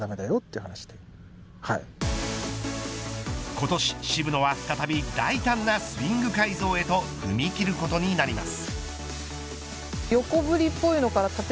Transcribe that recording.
今年、渋野は再び大胆なスイング改造へと踏み切ることになります。